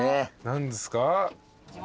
何ですか？